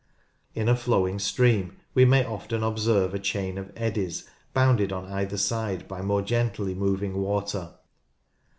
In a flowing stream we may often observe a chain of eddies bounded on either side by more gently moving water.